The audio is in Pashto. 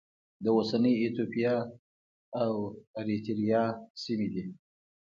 د اوسنۍ ایتوپیا او اریتریا سیمې دي.